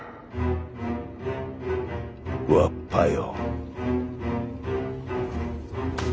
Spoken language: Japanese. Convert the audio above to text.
わっぱよ。